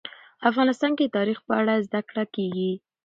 افغانستان کې د تاریخ په اړه زده کړه کېږي.